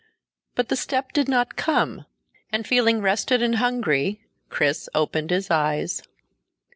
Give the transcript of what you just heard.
But the step did not come, and feeling rested and hungry, Chris opened his eyes.